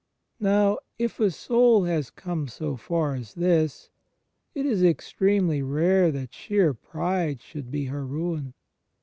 Now if a soul has come so far as this, it is extremely rare that sheer pride should be her ruin.